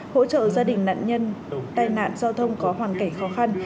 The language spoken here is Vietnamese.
hỗ trợ gia đình nạn nhân tai nạn giao thông có hoàn cảnh khó khăn